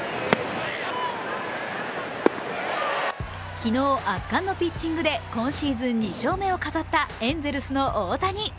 昨日、圧巻のピッチングで今シーズン２勝目を飾ったエンゼルスの大谷。